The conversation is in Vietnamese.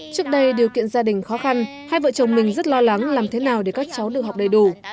trước đây điều kiện gia đình khó khăn hai vợ chồng mình rất lo lắng làm thế nào để các cháu được học đầy đủ